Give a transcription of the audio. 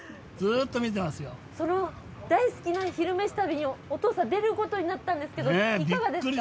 その大好きな「昼めし旅」にお父さん出ることになったんですけどいかがですか？